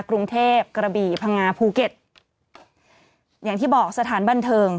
กรุงเทพกระบี่พังงาภูเก็ตอย่างที่บอกสถานบันเทิง